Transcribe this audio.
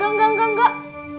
enggak enggak enggak